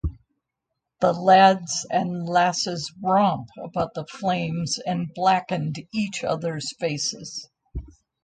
The lads and lasses romp about the flames and blacken each other's faces.